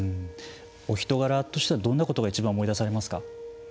お人柄としてはどんなことがいちばん思い出されますか。